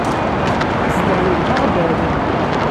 Zedɣen deg Beɣdad.